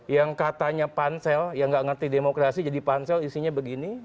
yang katanya pansel yang nggak ngerti demokrasi jadi pansel isinya begini